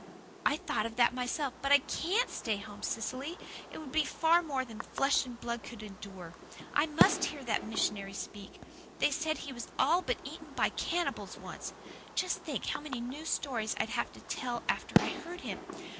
"I thought of that myself but I CAN'T stay home, Cecily. It would be more than flesh and blood could endure. I MUST hear that missionary speak. They say he was all but eaten by cannibals once. Just think how many new stories I'd have to tell after I'd heard him!